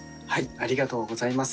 ありがとうございます。